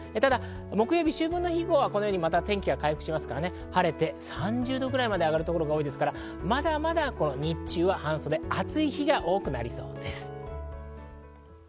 木曜日以降は天気が回復し、晴れて３０度くらいまで上がる所もありますから、まだまだ日中は暑い日が多くなりそうです。